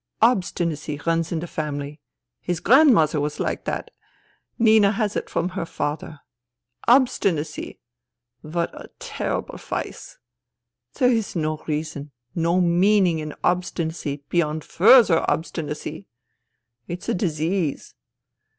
Obstinacy runs in the family. His grandmother was like that. Nina has it from her father. Obstinacy ! What a terrible vice ! There is no reason, no meaning in obstinacy beyond further obstinacy. It's a disease.